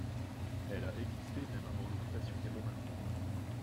Elle a existé même avant l'occupation des romains.